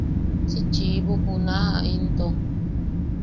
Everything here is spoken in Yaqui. ¡Si chiibu junaʼa into!